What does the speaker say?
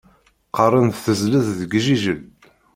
Qqaren-d tezlez deg Jijel.